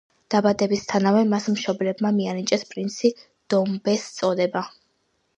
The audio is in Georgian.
დაბადებისთანავე, მას მშობლებმა მიანიჭეს პრინცი დომბეს წოდება.